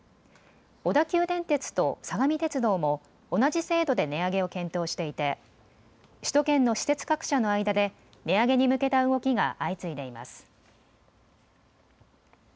小田急電鉄と相模鉄道も同じ制度で値上げを検討していて首都圏の私鉄各社の間で値上げに向けた動きが相次いでいます。